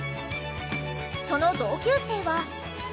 その同級生は。